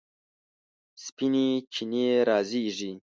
سپینې چینې رازیږي